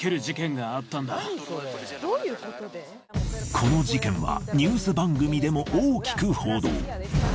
この事件はニュース番組でも大きく報道。